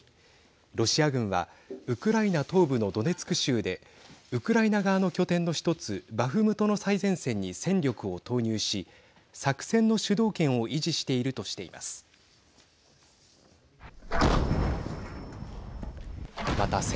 ロシア軍はウクライナ東部のドネツク州でウクライナ側の拠点の１つバフムトの最前線に戦力を投入し、作戦の主導権を維持しているとしています。